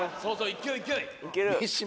勢い勢い。